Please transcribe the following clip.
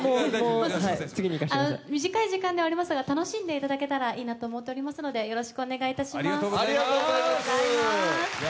短い時間ではありますが、楽しんでいただけたらと思いますのでよろしくお願いします。